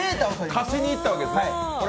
勝ちにいったわけですね。